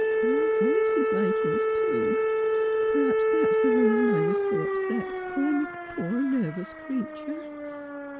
Your voice is like his, too — perhaps that's the reason I was so upset — for I'm a poor nervous creature.'